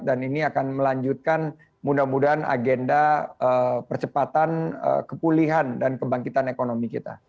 dan ini akan melanjutkan mudah mudahan agenda percepatan kepulihan dan kebangkitan ekonomi kita